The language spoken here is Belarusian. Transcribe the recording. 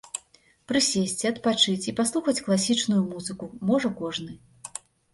Прысесці, адпачыць і паслухаць класічную музыку можа кожны.